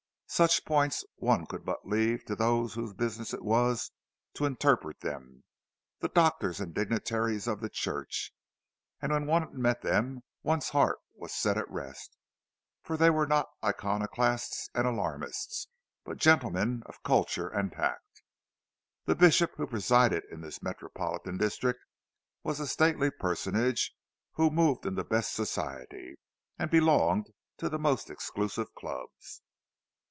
Such points one could but leave to those whose business it was to interpret them—the doctors and dignitaries of the church; and when one met them, one's heart was set at rest—for they were not iconoclasts and alarmists, but gentlemen of culture and tact. The bishop who presided in this metropolitan district was a stately personage, who moved in the best Society and belonged to the most exclusive clubs.